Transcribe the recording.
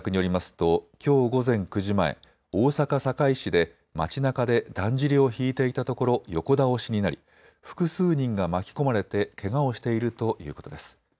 ときょう午前９時前、大阪堺市で町なかでだんじりを引いていたところ横倒しになり複数人が巻き込まれてけがをしているということです。